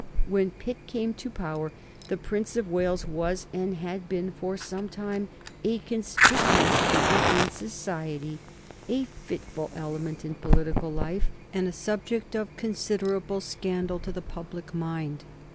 When Pitt came to power the Prince of Wales was, and had been for some time, a conspicuous figure in society, a fitful element in political life, and a subject of considerable scandal to the public mind.